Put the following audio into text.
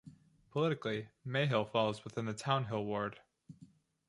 Politically, Mayhill falls within the Townhill ward.